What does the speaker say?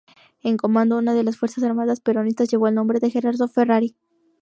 Un comando de las Fuerzas Armadas Peronistas llevó el nombre de Gerardo Ferrari.